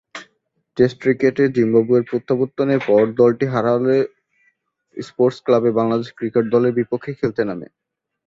Test ক্রিকেটে জিম্বাবুয়ের প্রত্যাবর্তনের পর দলটি হারারে স্পোর্টস ক্লাবে বাংলাদেশ ক্রিকেট দলের বিপক্ষে খেলতে নামে।